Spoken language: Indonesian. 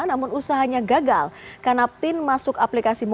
namun usahanya gagal karena pin masuk aplikasi